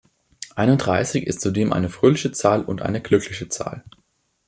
Einunddreißig ist zudem eine fröhliche Zahl und eine glückliche Zahl.